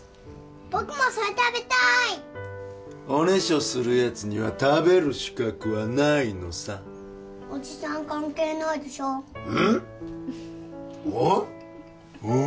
僕もそれ食べたいオネショするやつには食べる資格はないのさおじさん関係ないでしょ・うん？